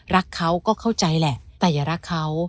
รักเขาก็เข้าใจแหละแต่อย่ารักเขา